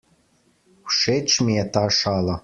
Všeč mi je ta šala.